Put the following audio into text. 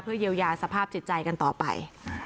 เยียวยาสภาพจิตใจกันต่อไป